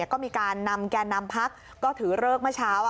ก็มีการนำแก่นำพักก็ถือเลิกเมื่อเช้า